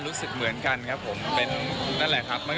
รู้สึกเหมือนกันครับผม